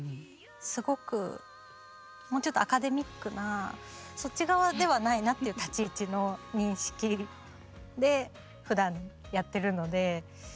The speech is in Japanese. すごくもうちょっとアカデミックなそっち側ではないなっていう立ち位置の認識でふだんやってるので。